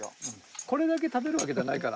これだけ食べるわけじゃないからね。